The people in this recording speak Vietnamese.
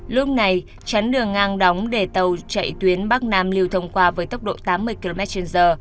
lúc này chắn đường ngang đóng để tàu chạy tuyến bắc nam lưu thông qua với tốc độ tám mươi km trên giờ